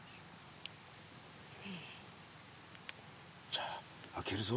じゃあ開けるぞ。